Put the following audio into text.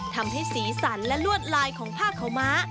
ทำให้สีสันและลวดลายของผ้าขาวม้า